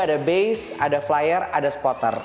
ada base ada flyer ada spotter